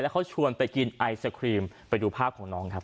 เขาชวนไปกินไอศครีมไปดูภาพของน้องครับ